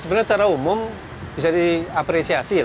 sebenarnya secara umum bisa diapresiasi